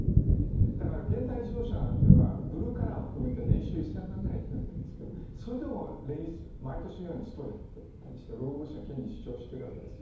だから現代自動車なんていうのはブルーカラーを含めて年収１０００万ぐらいといわれてますがそれでも毎日のようにストをやってたりして労働者の権利を主張しているわけですよ。